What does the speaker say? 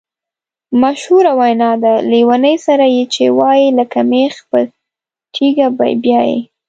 مشهوره وینا ده: لېوني سره یې چې وایې لکه مېخ په تیګه بیایې.